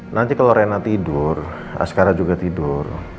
nanti kalau rena tidur askara juga tidur